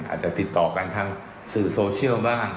อาจจะติดต่อกันทางสื่อโซเชียลบ้าง